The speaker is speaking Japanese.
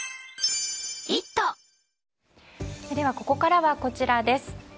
では、ここからはこちらです。